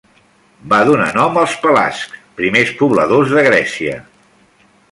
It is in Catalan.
Va donar nom als pelasgs, primers pobladors de Grècia.